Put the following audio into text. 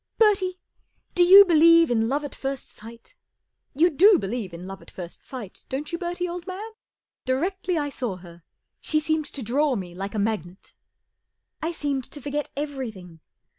Bertie, do you believe in love at first sight ? You do believe in love at first sight, don't you, Bertie, old man ? Directly I saw her, she seemed to draw me like a magnet. I seemed to forget everything.